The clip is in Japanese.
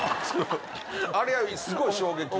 あれはすごい衝撃で。